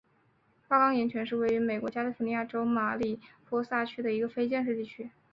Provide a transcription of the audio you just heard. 花岗岩泉是位于美国加利福尼亚州马里波萨县的一个非建制地区。